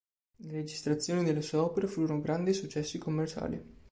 Le registrazioni delle sue opere furono grandi successi commerciali.